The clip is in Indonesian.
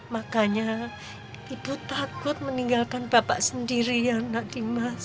makanya ibu takut meninggalkan bapak sendirian nadimas